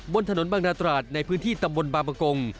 บนถนนบางนาตราดในพื้นที่ตำบลบางประกง